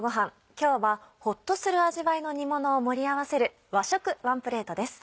今日はホッとする味わいの煮ものを盛り合わせる「和食ワンプレート」です。